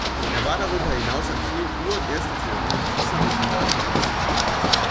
Er war darüber hinaus an vielen Ur- und Erstaufführungen dieser und anderer Komponisten beteiligt.